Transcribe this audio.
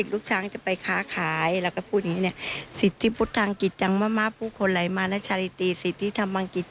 เข้าของไหลมารชาฬิติเงินทองไหลมารชาฬิติอย่างเงี้ย